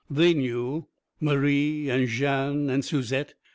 They knew, Marie and Jeanne and Suzette.